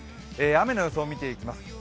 雨の予想を見ていきます。